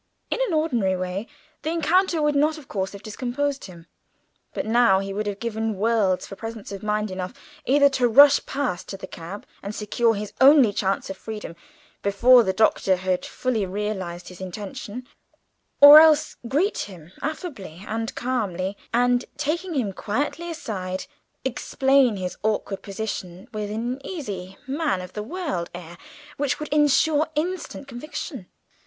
In an ordinary way the encounter would not of course have discomposed him, but now he would have given worlds for presence of mind enough either to rush past to the cab and secure his only chance of freedom before the Doctor had fully realised his intention, or else greet him affably and calmly, and, taking him quietly aside, explain his awkward position with an easy man of the world air, which would ensure instant conviction.